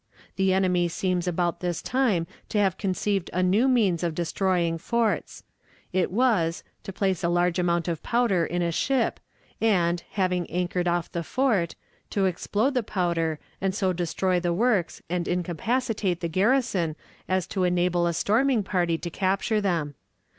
The enemy seems about this time to have conceived a new means of destroying forts; it was, to place a large amount of powder in a ship, and, having anchored off the fort, to explode the powder and so destroy the works and incapacitate the garrison as to enable a storming party to capture them.